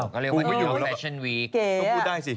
ก็เรียกว่าฟาชั่นวีคกูไม่อยู่หรอก